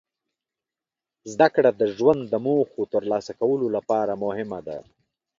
زدهکړه د ژوند د موخو ترلاسه کولو لپاره مهمه ده.